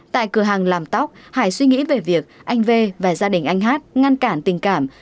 tại cửa hàng làm tóc hải suy nghĩ về việc anh v và gia đình anh hát ngăn cản tình cảm